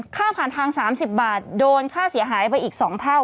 ค่าผ่านทาง๓๐บาทโดนค่าเสียหายไปอีก๒เท่า